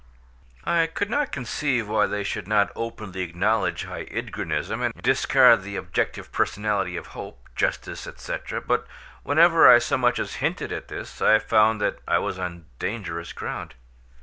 I could not conceive why they should not openly acknowledge high Ydgrunism, and discard the objective personality of hope, justice, &c. but whenever I so much as hinted at this, I found that I was on dangerous ground.